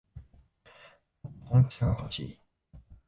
もっと本気さがほしい